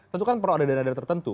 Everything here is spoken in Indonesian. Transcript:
tentu kan perlu ada dana dana tertentu